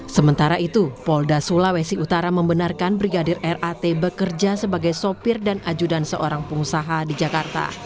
sementara itu polda sulawesi utara membenarkan brigadir rat bekerja sebagai sopir dan ajudan seorang pengusaha di jakarta